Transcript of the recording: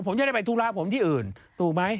ผมจะได้ไปทุกราบผมที่อื่นถูกมั้ย